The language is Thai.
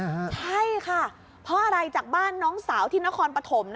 ใช่ค่ะเพราะอะไรจากบ้านน้องสาวที่นครปฐม